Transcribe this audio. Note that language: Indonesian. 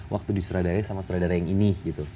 waktu disuradara sama sutradara yang ini gitu